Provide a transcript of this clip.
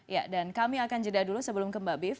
ya dan kami akan jeda dulu sebelum ke mbak biv